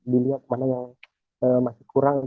dilihat mana yang masih kurang